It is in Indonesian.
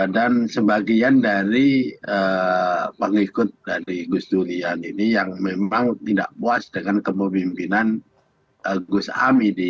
dan sebagian dari pengikut dari gus durian ini yang memang tidak puas dengan kepemimpinan gus amidi bkb